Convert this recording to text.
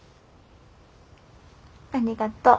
ありがとう。